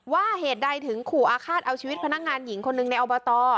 เหตุใดถึงขู่อาฆาตเอาชีวิตพนักงานหญิงคนหนึ่งในอบต